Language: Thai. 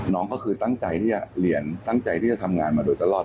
น้องก็คือตั้งใจที่จะเรียนตั้งใจที่จะทำงานมาโดยตลอด